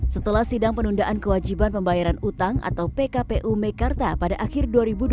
setelah sidang penundaan kewajiban pembayaran utang atau pkpu mekarta pada akhir dua ribu dua puluh